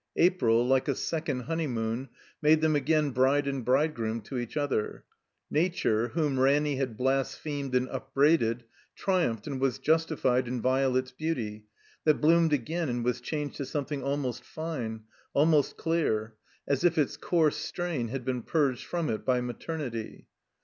April, like a second honeymoon, made them again bride and bridegroom to each other. Nature, whom Ranny had blasphemed and upbraided, triumphed and was justified in Violet's beauty, that bloomed again and yet was changed to something almost fine, almost dear; as if its coarse strain had been ptu"ged from it by maternity.